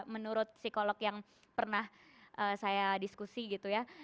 menurut psikolog yang pernah saya diskusi gitu ya